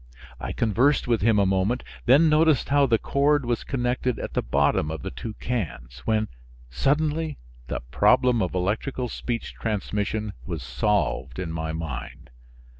I conversed with him a moment, then noticed how the cord was connected at the bottom of the two cans, when, suddenly, the problem of electrical speech transmission was solved in my mind.